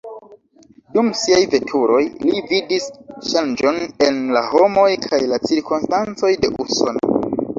Dum siaj veturoj, li vidis ŝanĝon en la homoj kaj la cirkonstancoj de Usono.